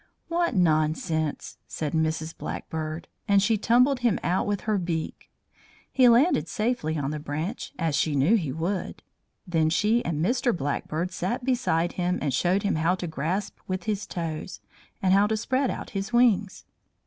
"What nonsense!" said Mrs. Blackbird; and she tumbled him out with her beak. He landed safely on the branch, as she knew he would. Then she and Mr. Blackbird sat beside him and showed him how to grasp with his toes, and how to spread out his wings.